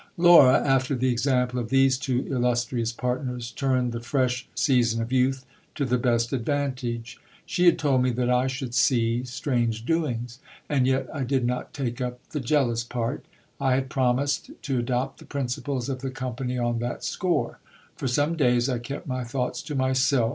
Laura, after the example of these two illustrious partners, turned the fresh season of youth to the best advantage. She had told me that I should see strange doings. And yet I did not take up the jealous part. I had promised to adopt the principles of the company on that score. P"or some days I kept my thoughts to myself.